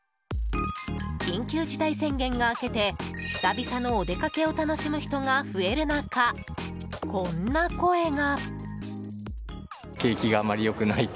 緊急事態宣言が明けて久々のお出かけを楽しむ人が増える中、こんな声が。